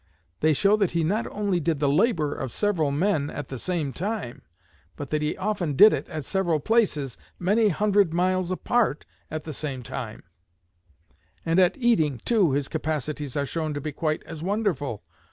They show that he not only did the labor of several men at the same time, but that he often did it at several places many hundred miles apart at the same time. And at eating, too, his capacities are shown to be quite as wonderful.